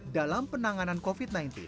dalam penanganan covid sembilan belas